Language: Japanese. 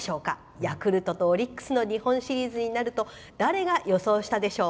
ヤクルトとオリックスの日本シリーズになると誰が予想したでしょう。